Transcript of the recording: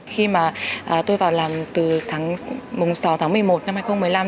khi mà tôi vào làm từ mùng sáu tháng một mươi một năm hai nghìn một mươi năm